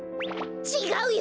ちがうよ！